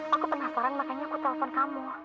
aku penasaran makanya aku telpon kamu